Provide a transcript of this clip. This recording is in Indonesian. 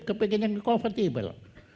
kepengen yang kompatibel